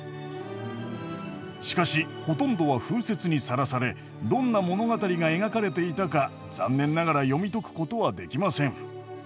しかしほとんどは風雪にさらされどんな物語が描かれていたか残念ながら読み解くことはできません。